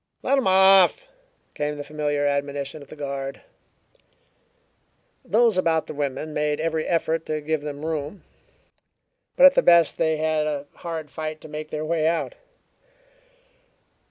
"Let 'em off!" came the familiar admonition of the guard. Those about the women made every effort to give them room, but at the best they had a hard fight to make their way out.